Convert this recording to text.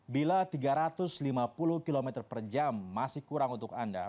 bila tiga ratus lima puluh km per jam masih kurang untuk anda